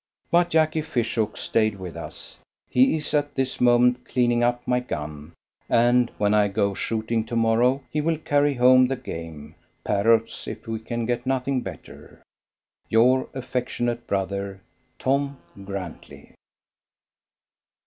But Jacky Fishook stayed with us. He is at this moment cleaning up my gun; and when I go shooting to morrow he will carry home the game parrots if we can get nothing better. Your affectionate brother, TOM GRANTLEY.